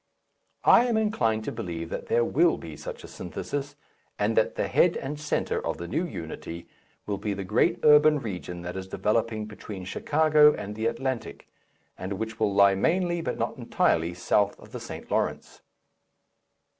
I am inclined to believe that there will be such a synthesis, and that the head and centre of the new unity will be the great urban region that is developing between Chicago and the Atlantic, and which will lie mainly, but not entirely, south of the St. Lawrence.